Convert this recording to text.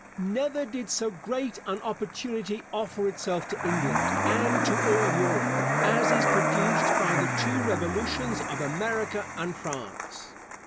Never did so great an opportunity offer itself to England, and to all Europe, as is produced by the two Revolutions of America and France.